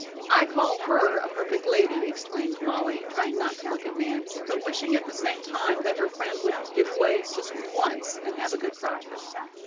"I call her a perfect lady," exclaimed Molly, trying not to look at Nance, but wishing at the same time that her friend would give way just once and have a good cry.